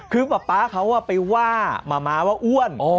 คือป๊าป๊าเขาไปว่าหมาม้าว่าอ้วน